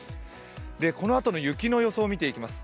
このあとの雪の予想を見ていきます。